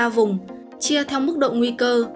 ba vùng chia theo mức độ nguy cơ